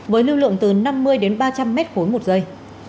với lưu lượng từ năm mươi đến ba trăm linh mét khối một giây